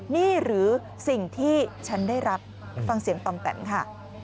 นี่หรือสิ่งที่ฉันได้รับฟังเสียงปอมแตมค่ะ